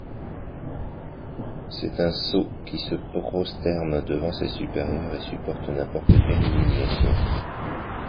C'est un sot qui se prosterne devant ses supérieurs et supporte n'importe quelle humiliation.